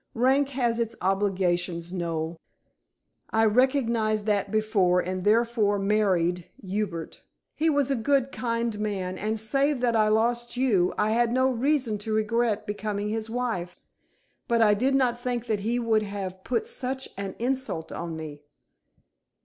Rank has its obligations, Noel. I recognized that before, and therefore married Hubert. He was a good, kind man, and, save that I lost you, I had no reason to regret becoming his wife. But I did not think that he would have put such an insult on me."